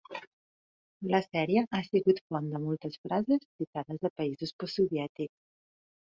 La sèrie ha sigut font de moltes frases citades a països postsoviètics.